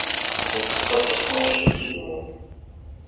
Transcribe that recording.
Ur ttett aṭas ma ulac ad tuzureḍ.